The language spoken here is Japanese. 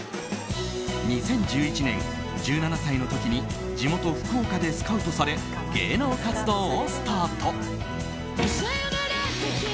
２０１１年、１７歳の時に地元・福岡でスカウトされ芸能活動をスタート。